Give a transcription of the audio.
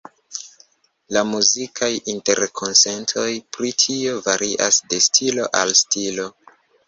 La muzikaj interkonsentoj pri tio varias de stilo al stilo.